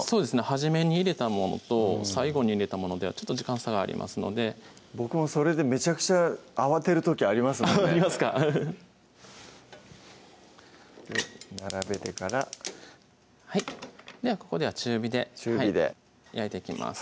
初めに入れたものと最後に入れたものでは時間差がありますので僕もそれでめちゃくちゃ慌てる時ありますもんねありますかアハハ並べてからではここでは中火で中火で焼いていきます